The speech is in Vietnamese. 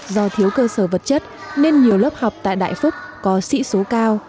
do thiếu cơ sở vật chất nên nhiều lớp học tại đại phúc có sĩ số cao